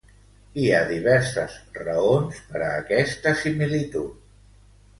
Hi ha diverses raons per a aquesta similitud.